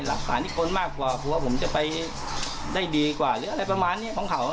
หลักฐานอีกคนมากกว่ากลัวผมจะไปได้ดีกว่าหรืออะไรประมาณนี้ของเขา